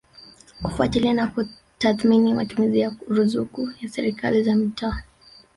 kufuatilia na kutathimini matumizi ya ruzuku ya Serikali za Mitaa